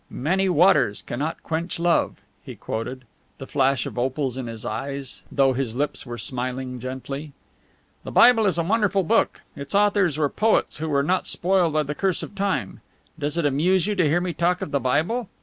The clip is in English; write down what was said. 'Many waters cannot quench love,'" he quoted, the flash of opals in his eyes, though his lips were smiling gently. "The Bible is a wonderful book. Its authors were poets who were not spoiled by the curse of rime. Does it amuse you to hear me talk of the Bible?